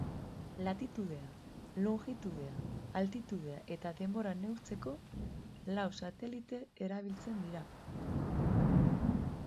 Latitudea, longitudea, altitudea eta denbora neurtzeko, lau satelite erabiltzen dira.